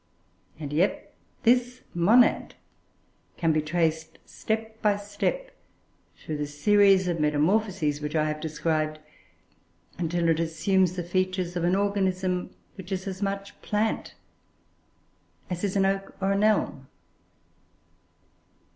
And yet this "Monad" can be traced, step by step, through the series of metamorphoses which I have described, until it assumes the features of an organism, which is as much a plant as is an oak or an elm.